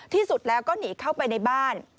ที่สุดแล้วก็หนีเข้าไปในบ้าน